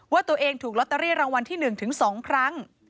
ว่าตัวเองถูกลอตเตอรี่รางวัลที่๑ถึง๒ครั้ง